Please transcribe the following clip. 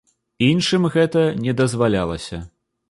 Іншым гэтага не дазвалялася.